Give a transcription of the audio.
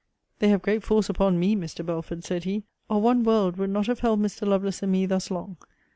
'They have great force upon me, Mr. Belford,' said he; 'or one world would not have held Mr. Lovelace and me thus long.